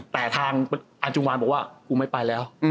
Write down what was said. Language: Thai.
แต่ทางอาจุงวันบอกว่ากูไม่ไปแล้ว